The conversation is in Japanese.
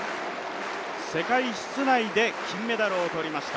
世界室内で金メダルを取りました。